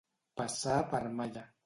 Passar per malla.